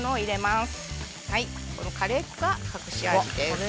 はいこのカレー粉が隠し味です。